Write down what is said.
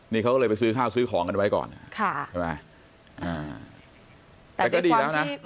นี่เขาก็เลยไปซื้อข้าวซื้อของกันไว้ก่อนใช่ไหมแต่ก็ดีแล้วนะ